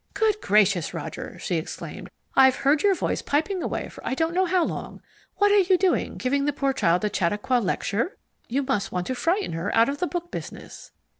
"Good gracious, Roger!" she exclaimed, "I've heard your voice piping away for I don't know how long. What are you doing, giving the poor child a Chautauqua lecture? You must want to frighten her out of the book business."